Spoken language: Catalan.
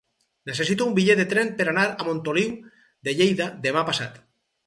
Necessito un bitllet de tren per anar a Montoliu de Lleida demà passat.